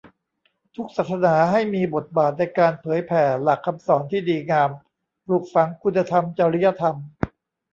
ทุกศาสนาให้มีบทบาทในการเผยแผ่หลักคำสอนที่ดีงาม ปลูกฝังคุณธรรม จริยธรรม